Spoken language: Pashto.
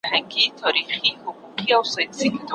هیڅوک د خپل مزاج پر ځای د بل مزاج نه مني.